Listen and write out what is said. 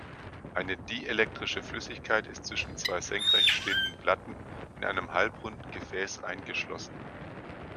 Eine dielektrische Flüssigkeit ist zwischen zwei senkrecht stehenden Platten in einem halbrunden Gefäß eingeschlossen.